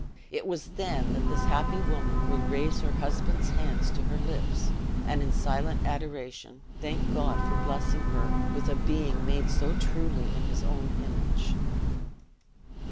It was then that this happy woman would raise her husband's hands to her lips, and in silent adoration, thank God for blessing her with a being made so truly in his own image.